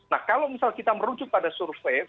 nah kalau misal kita merujuk pada survei